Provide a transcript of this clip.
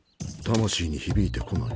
魂に響いてこない。